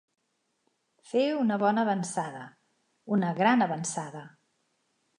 Fer una bona avançada, una gran avançada.